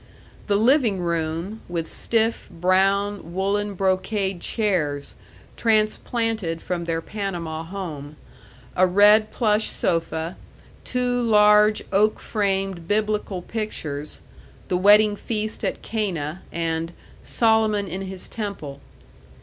The living room, with stiff, brown, woolen brocade chairs, transplanted from their Panama home, a red plush sofa, two large oak framed Biblical pictures "The Wedding feast at Cana," and "Solomon in His Temple."